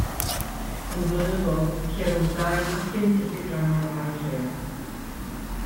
Yn flynyddol ceir rhwng dau a phum diffyg rhannol ar y lleuad.